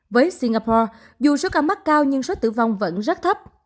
với singapore dù số ca mắc cao nhưng số tử vong vẫn rất thấp